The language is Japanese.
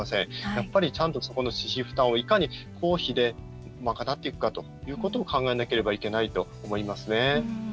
やっぱり、ちゃんとそこの私費負担をいかに公費で賄っていくかということも考えなければいけないと思いますね。